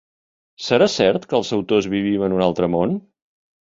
¿Serà cert que els autors vivim en un altre món?